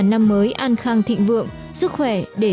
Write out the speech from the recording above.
năm mới an khang thịnh vượng sức khỏe để